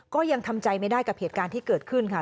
ก็ยังทำใจไม่ได้กับเหตุการณ์ที่เกิดขึ้นค่ะ